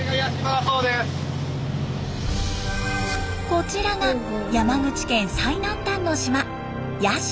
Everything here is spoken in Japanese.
こちらが山口県最南端の島八島。